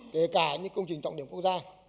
kể cả những công trình trọng điểm quốc gia